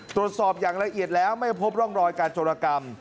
ตรวจสอบอย่างละเอียดแล้วไม่พบร่องรอยการโจรกรรม